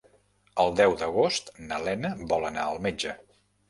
El deu d'agost na Lena vol anar al metge.